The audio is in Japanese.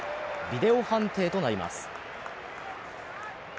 ビデオ判定となります。